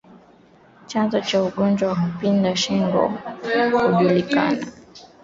Chanzo cha ugonjwa wa kupinda shingo hakijulikani